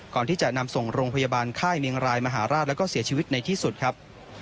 ก่อนที่จะนำส่งโรงพยาบาลค่ายเมียงรายมหาราชแล้วก็เสียชีวิตในที่สุดครับ